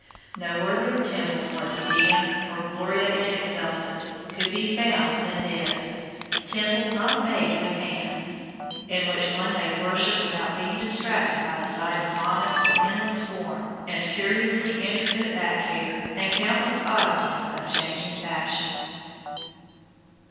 No worthier temple for a "Te Deum" or "Gloria in Excelsis" could be found than this "temple not made with hands," in which one may worship without being distracted by the sight of bonnets of endless form, and curiously intricate "back hair," and countless oddities of changing fashion.